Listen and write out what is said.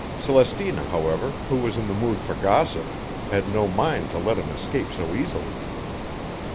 Celestina, however, who was in the mood for gossip, had no mind to let him escape so easily.